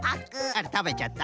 あらたべちゃった。